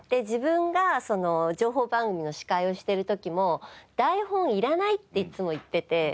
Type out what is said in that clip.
自分が情報番組の司会をしてる時も台本いらないっていつも言ってて。